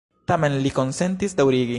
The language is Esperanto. Tamen li konsentis daŭrigi.